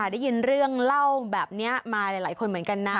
ได้ยินเรื่องเล่าแบบนี้มาหลายคนเหมือนกันนะ